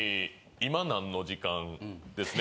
「今何の時間？！」ですね。